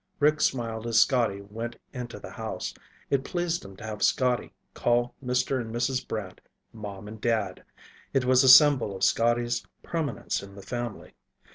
Rick smiled as Scotty went into the house. It pleased him to have Scotty call Mr. and Mrs. Brant "Mom and Dad." It was a symbol of Scotty's permanence in the family.